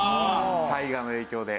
大河の影響で。